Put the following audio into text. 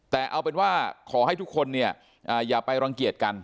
แต่เอาเป็นว่าขอให้ทุกคนเนี่ยอย่าไปรังเกียจกัน